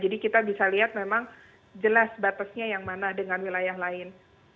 jadi kita bisa lihat memang jelas batasnya yang mana dengan wilayah lain